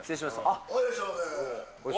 いらっしゃいませ。